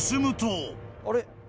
あれ？